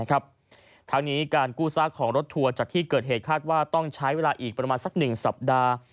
ทางนี้การกู้ซากของรถทัวร์จากที่เกิดเหตุคาดว่าต้องใช้เวลาอีกประมาณสัก๑สัปดาห์